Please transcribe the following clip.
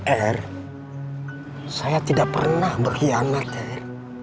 eir saya tidak pernah berkhianat eir